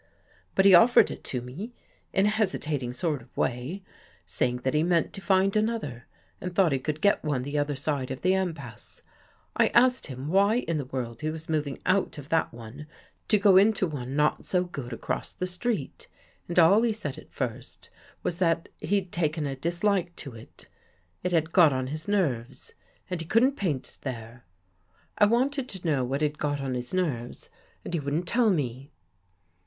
But he offered it to me, in a hesitating sort of way, saying that he meant to find another and thought he could get one the other side of the empasse. I asked him why in the world he was moving out of that one to go into one not so good, across the street, and all he said at first was that he'd taken a dis like to it. It had got on his nerves and he couldn't paint there. I wanted to know what had got on his nerves and he wouldn't tell me.